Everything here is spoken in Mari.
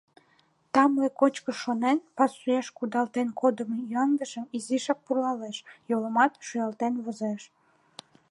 Тамле кочкыш шонен, пасуэш кудалтен кодымо ӱяҥдышым изишак пурлалеш — йолымат шуялтен возеш.